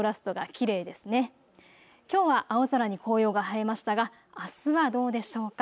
きょうは青空に紅葉が映えましたが、あすはどうでしょうか。